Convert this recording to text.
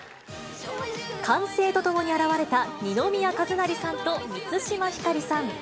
歓声とともに現れた、二宮和也さんと満島ひかりさん。